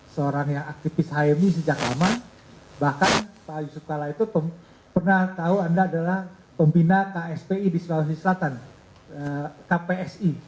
seorang yang aktivis hmi sejak lama bahkan pak yusuf kala itu pernah tahu anda adalah pembina kspi di sulawesi selatan kpsi